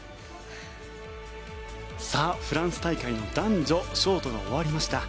フランス大会の男女ショートが終わりました。